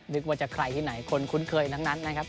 นึกว่าจะใครที่ไหนคนคุ้นเคยทั้งนั้นนะครับ